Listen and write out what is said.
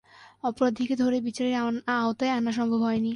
অপরাধীকে ধরে বিচারের আওতায় আনা সম্ভব হয়নি।